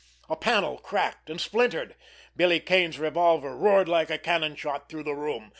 A panel cracked and splintered. Billy Kane's revolver roared like a cannon shot through the room.